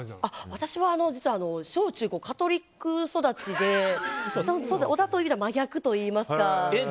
私は実は小中高カトリック育ちで小田と植田、真逆といいますか。